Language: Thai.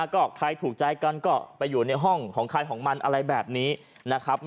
ก็ใครถูกใจกันก็ไปอยู่ในห้องของใครของมันอะไรแบบนี้นะครับ